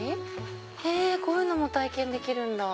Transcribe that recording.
へぇこういうのも体験できるんだ。